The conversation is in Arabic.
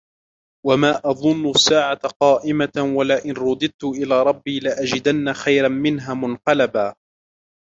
وَمَا أَظُنُّ السَّاعَةَ قَائِمَةً وَلَئِنْ رُدِدْتُ إِلَى رَبِّي لَأَجِدَنَّ خَيْرًا مِنْهَا مُنْقَلَبًا